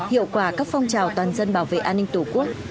hiệu quả các phong trào toàn dân bảo vệ an ninh tổ quốc